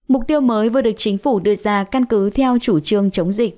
mục tiêu mới vừa được chính phủ đưa ra căn cứ theo chủ trương chống dịch